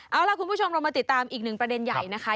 เอาล่ะคุณผู้ชมเรามาติดตามอีกหนึ่งประเด็นใหญ่นะคะ